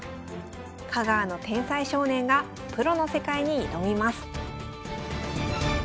「香川の天才少年」がプロの世界に挑みます。